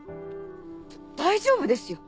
大丈夫ですよ